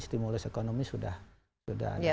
stimulus ekonomi sudah ada